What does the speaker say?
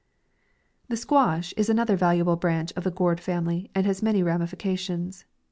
THE SQUASH is another valuable branch of the gourd fami ly, and has many ramifications.